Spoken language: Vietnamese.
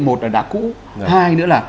một là đã cũ hai nữa là